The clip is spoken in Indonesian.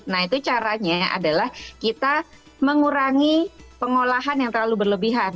nah itu caranya adalah kita mengurangi pengolahan yang terlalu berlebihan